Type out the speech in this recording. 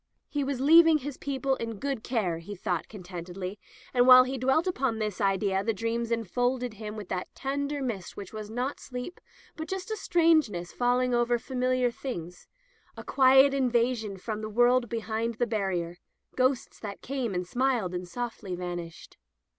He was leaving his peo ple in good care, he thought contentedly, and while he dwelt upon this idea the dreams enfolded him with that tender mist which was not sleep, but just a strangeness falling over familiar things — a quiet invasion from the world behind the barrier — ghosts that came and smiled and softly vanished.